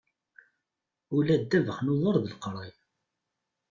Ula d ddabex n uḍar d leqraya.